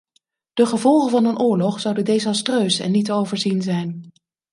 De gevolgen van een oorlog zouden desastreus en niet te overzien zijn.